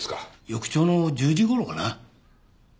翌朝の１０時頃かな。